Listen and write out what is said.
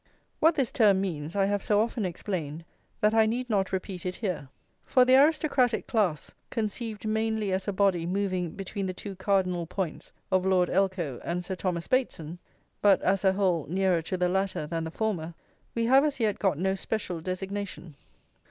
What this term means I have so often explained that I need not repeat it here. For the aristocratic class, conceived mainly as a body moving between the two cardinal points of Lord Elcho and Sir Thomas Bateson, but as a whole nearer to the latter than the former, we have as yet got no special designation.